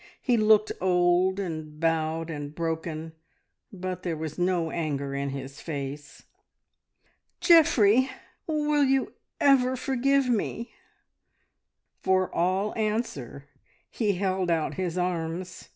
He looked old, and bowed, and broken, but there was no anger in his face. "Geoffrey! Will you ever forgive me?" For all answer he held out his arms.